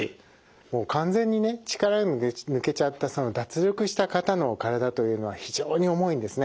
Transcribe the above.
もう完全にね力が抜けちゃった脱力した方の体というのは非常に重いんですね。